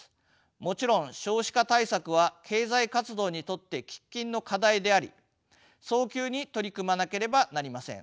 もちろん少子化対策は経済活動にとって喫緊の課題であり早急に取り組まなければなりません。